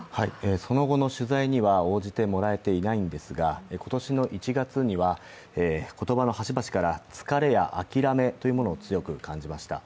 その後の取材には応じてもらえていないんですが、今年の１月には言葉の端々から疲れや諦めというものを強く感じました。